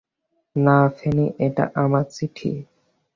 না ফেনি, এটা আমার চিঠি।